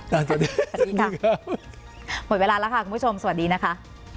สวัสดีค่ะหมดเวลาแล้วค่ะคุณผู้ชมสวัสดีนะคะ